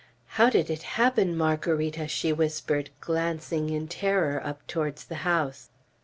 "How did it happen, Margarita?" she whispered, glancing in terror up towards the house.